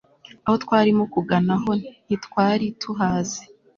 aho twarimo kugana ho ntitwari tuhazi